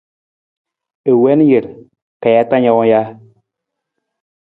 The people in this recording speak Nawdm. I wiin jir ka ji tang jawang ja?